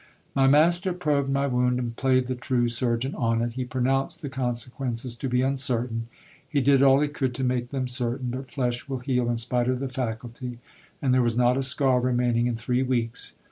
My master probed my wound, and played the true surgeon on it ; he pronounced the consequences to I be uncertain. He did all he could to make them certain ; but flesh will heal j in spite of the faculty ; and there was not a scar remaining in three weeks.